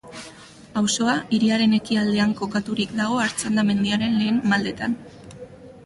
Auzoa hiriaren ekialdean kokaturik dago Artxanda mendiaren lehen maldetan.